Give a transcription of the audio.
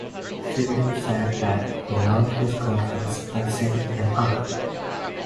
Fielding said that he loved his girlfriends dressing him up.